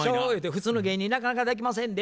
「普通の芸人なかなかできませんで」。